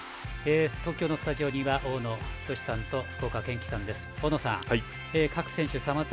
東京のスタジオには大野均さんと福岡堅樹さんです。